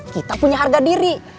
kita punya harga diri